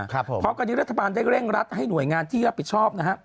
พร้อมกันนี้รัฐบาลได้เร่งรัดให้หน่วยงานที่รับผิดชอบนะฮะ